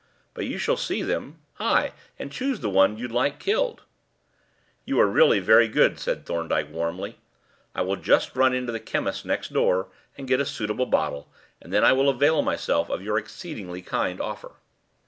But you shall see them ay, and choose the one that you'd like killed." "You are really very good," said Thorndyke warmly. "I will just run into the chemist's next door, and get a suitable bottle, and then I will avail myself of your exceedingly kind offer."